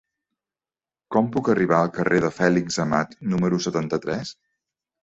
Com puc arribar al carrer de Fèlix Amat número setanta-tres?